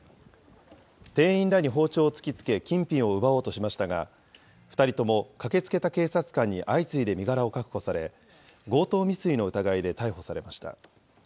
店員らに包丁を突きつけ金品を奪おうとしましたが、２人とも駆けつけた警察官に相次いで身柄を確保され、強盗未遂の疑いで逮捕されました。